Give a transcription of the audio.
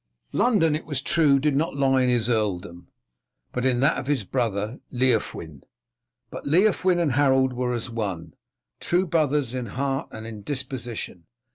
London, it was true, did not lie in his earldom, but in that of his brother Leofwyn, but Leofwyn and Harold were as one true brothers in heart and in disposition.